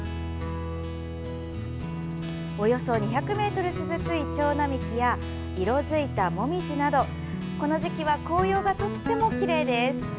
およそ２００ｍ続くイチョウ並木や色づいたモミジなど、この時期は紅葉がとってもきれいです。